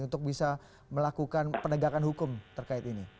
untuk bisa melakukan penegakan hukum terkait ini